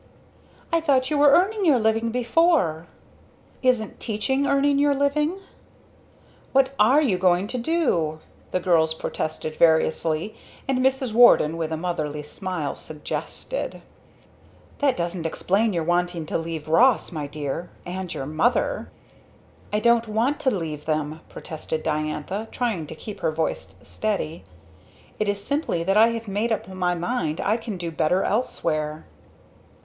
"I thought you were earning your living before!" "Isn't teaching earning your living?" "What are you going to do?" the girls protested variously, and Mrs. Warden, with a motherly smile, suggested!!!!! "That doesn't explain your wanting to leave Ross, my dear and your mother!" "I don't want to leave them," protested Diantha, trying to keep her voice steady. "It is simply that I have made up my mind I can do better elsewhere."